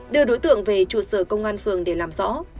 đưa đối tượng về trụ sở công an phường để làm rõ